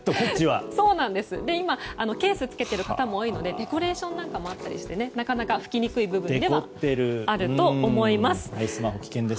今、ケースをつけている方も多いのでデコレーションなんかもあったりしてなかなか拭きにくい部分ではあると思います。